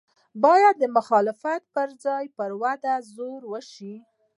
باید د مخالفت پر ځای یې پر ودې زور وشي.